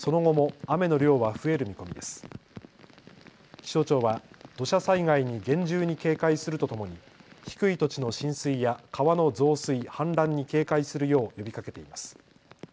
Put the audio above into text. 気象庁は土砂災害に厳重に警戒するとともに低い土地の浸水や川の増水、氾濫に警戒するよう呼びかけています。